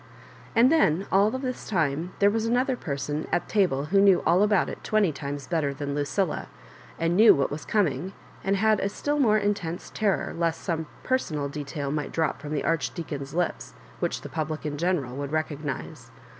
And then all this time there was another person at table who knew all about it twenty times better than LucUla, and knew what was coming, and had a still more intense terror lest some personal detail might drop from the Arch deacon's lips which the public in general would recognise.